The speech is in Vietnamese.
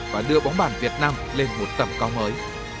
và đưa bóng bàn việt nam lên một tầm cao mới